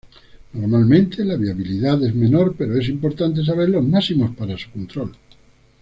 Normalmente la viabilidad es menor pero es importante saber los máximos para su control.